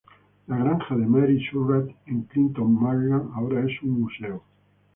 La granja de Mary Surratt en Clinton, Maryland, ahora es un museo.